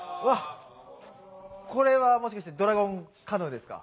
これはもしかしてドラゴンカヌーですか？